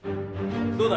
どうだ？